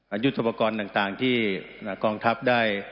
ยุทธปกรณ์ต่างที่กองทัพได้